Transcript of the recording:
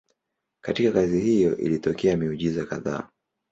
Katika kazi hiyo ilitokea miujiza kadhaa.